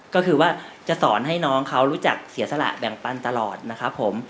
ก็คือว่าจะสอนให้น้องเขารู้จักเสียสละแบ่งปันตลอดนะครับผม